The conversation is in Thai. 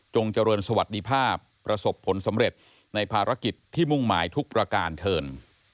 เจริญสวัสดีภาพประสบผลสำเร็จในภารกิจที่มุ่งหมายทุกประการเทิน